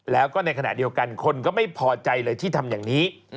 แล้วก็ในขณะเดียวกันคนก็ไม่พอใจเลยที่ทำอย่างนี้